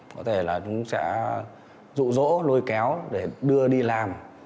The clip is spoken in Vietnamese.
có thể là chúng sẽ rụ rỗ lôi kéo để đưa đi làm